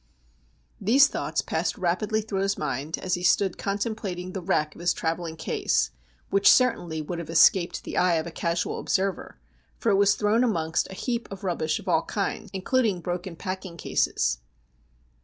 These thoughts passed rapidly through his mind, as he stood contemplating the wreck of his travelling case, which certainly would have escaped the eye of a casual observer, for it was thrown amongst a heap of rubbish of all kinds, includ ing broken packing cases.